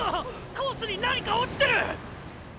コースに何か落ちてる！！